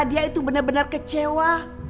dia itu benar benar kecewa